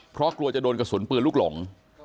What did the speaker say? เพราะกลัวจะโดนกระสุนปืนลูกหลง